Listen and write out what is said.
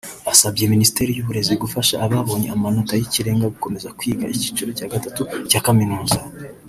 Asabye Minisiteri y’uburezi gufasha ababonye amanota y’ikirenga gukomeza kwiga icyiciro cya Gatatu cya Kaminuza